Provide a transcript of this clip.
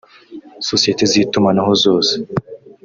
sosiyete z’itumanaho zose